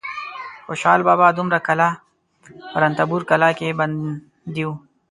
خوشحال بابا دومره کاله په رنتبور کلا کې بندي و.